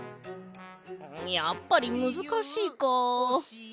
やっぱりむずかしいか。